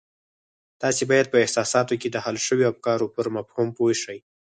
تاسې بايد په احساساتو کې د حل شويو افکارو پر مفهوم پوه شئ.